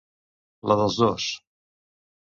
La dels dos.